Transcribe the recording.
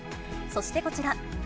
そしてこちら。